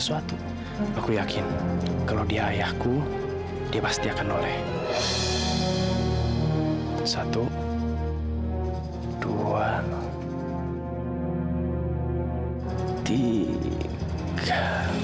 satu dua tiga